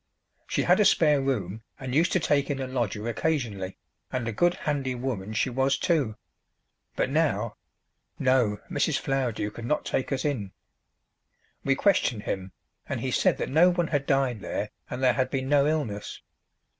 She had a spare room and used to take in a lodger occasionally, and a good handy woman she was too; but now no, Mrs. Flowerdew could not take us in. We questioned him, and he said that no one had died there and there had been no illness.